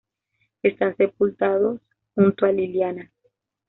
Están sepultados junto a Liliana.